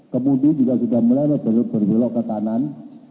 kemudi juga sudah mulai berbelok ke kanan